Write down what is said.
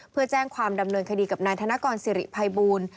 เพื่อแจ้งความดำเนินคดีกับนายธนกรสิริภัยบูล